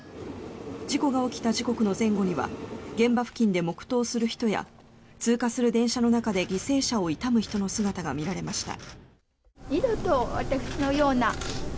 事故が起きた時刻の前後には現場付近で黙祷する人や通過する電車の中で犠牲者を悼む人の姿が見られました。